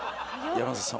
山里さん